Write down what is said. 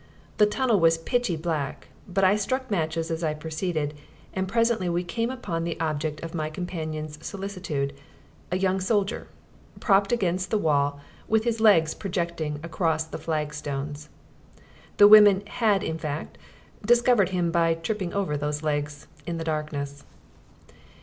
The tunnel was pitchy black, but I struck matches as I proceeded, and presently we came upon the object of my companions' solicitude a young soldier, propped against the wall and with his legs projecting across the flagstones. The women had, in fact, discovered him by tripping over those legs in the darkness.